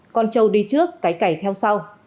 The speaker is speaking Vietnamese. con trâu đi trước cái cày theo sau